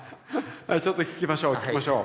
ちょっと聞きましょう聞きましょう。